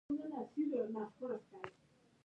د پخلي ځای ته شوه.